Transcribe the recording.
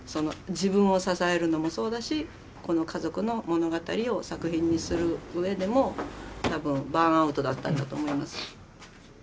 自分を支えるのもそうだしこの家族の物語を作品にするうえでも多分バーンアウトだったんだと思います。